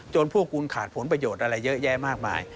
พวกคุณขาดผลประโยชน์อะไรเยอะแยะมากมาย